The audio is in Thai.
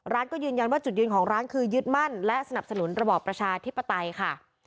ร้านก็ยืนยันว่าจุดยืนของร้านคือยึดมั่นและสนับสนุนระบอบประชาธิปไตยค่ะ